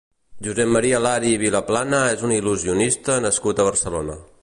Josep Maria Lari i Vilaplana és un il·lusionista nascut a Barcelona.